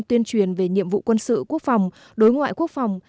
tuyên truyền về nhiệm vụ quân sự quốc phòng đối ngoại quốc phòng